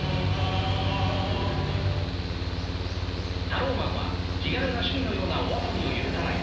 タローマンは気軽な趣味のようなお遊びを許さない。